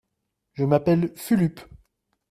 Je m’appelle Fulup.